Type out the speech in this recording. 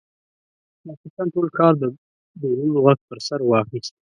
ماخستن ټول ښار د ډولونو غږ پر سر واخيست.